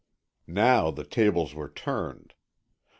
Now the tables were turned.